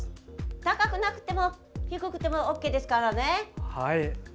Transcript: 高くなくても低くてもＯＫですからね。